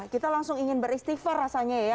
kita langsung ingin beristighfar rasanya ya